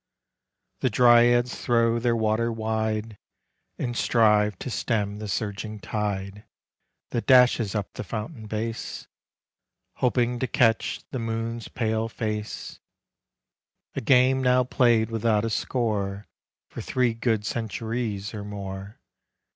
The dryads throw their water wide And strive to stem the surging tide That dashes up the fountain base Hoping to catch the moon's pale face, — A game now played without a score For three good centuries or more.